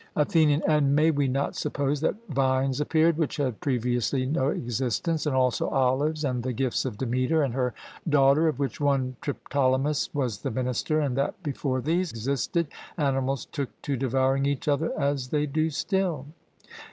ATHENIAN: And may we not suppose that vines appeared, which had previously no existence, and also olives, and the gifts of Demeter and her daughter, of which one Triptolemus was the minister, and that, before these existed, animals took to devouring each other as they do still?